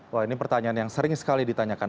wah ini pertanyaan yang sering sekali ditanyakan